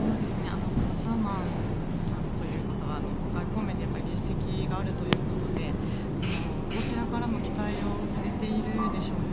シャーマンさんという方は外交面で実績があるということでどちらからも期待をされているでしょうね。